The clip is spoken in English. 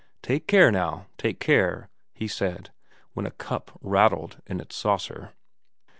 ' Take care, now take care,' he said, when a cup rattled in its saucer.